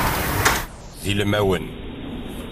D ilmawen.